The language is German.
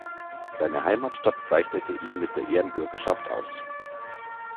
Seine Heimatstadt zeichnete ihn mit der Ehrenbürgerschaft aus.